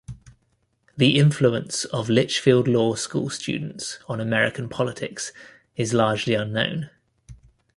The influence of Litchfield Law School students on American politics is largely unknown.